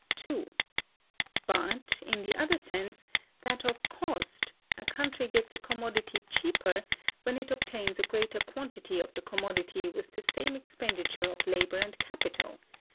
(2.) But, in the other sense, that of cost, a country gets a commodity cheaper when it obtains a greater quantity of the commodity with the same expenditure of labor and capital.